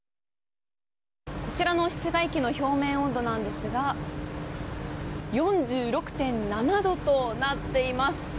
こちらの室外機の表面温度なんですが４６．７度となっています。